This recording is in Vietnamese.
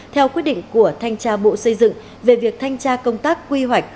theo quyết định của thanh tra bộ xây dựng về việc thanh tra công tác quy hoạch